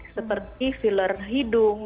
seperti filler hidung